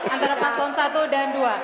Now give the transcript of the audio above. antara paslon satu dan dua